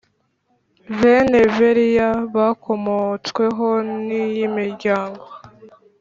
Bene Beriya bakomotsweho n iyi miryango